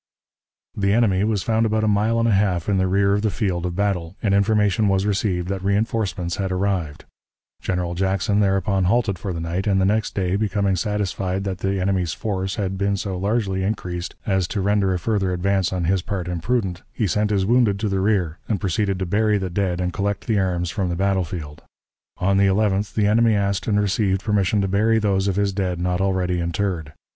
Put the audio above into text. The enemy was found about a mile and a half in the rear of the field of battle, and information was received that reënforcements had arrived. General Jackson thereupon halted for the night, and the next day, becoming satisfied that the enemy's force had been so largely increased as to render a further advance on his part imprudent, he sent his wounded to the rear, and proceeded to bury the dead and collect the arms from the battlefield. On the 11th the enemy asked and received permission to bury those of his dead not already interred.